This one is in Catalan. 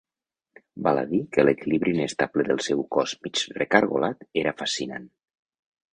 Val a dir que l'equilibri inestable del seu cos mig recargolat era fascinant.